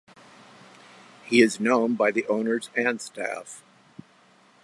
He is known by the owners and staff.